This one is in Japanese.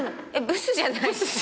ブスじゃないし。